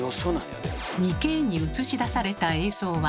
２Ｋに映し出された映像は。